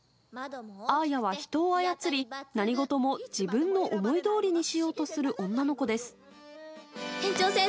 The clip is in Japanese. アーヤは人を操り、何事も自分の思いどおりにしようとする女の子です。